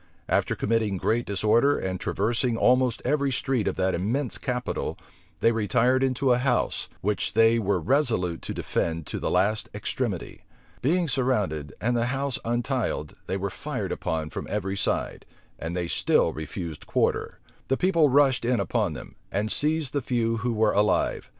After committing great disorder, and traversing almost every street of that immense capital, they retired into a house, which they were resolute to defend to the last extremity. Being surrounded, and the house untiled, they were fired upon from every side; and they still refused quarter. The people rushed in upon them, and seized the few who were alive.